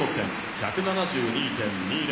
１７２．２０。